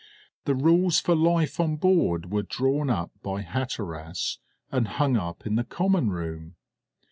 The rules for life on board were drawn up by Hatteras and hung up in the common room.